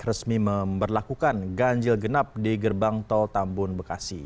resmi memperlakukan ganjil genap di gerbang tol tambun bekasi